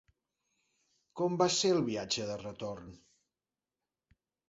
Com va ser el viatge de retorn?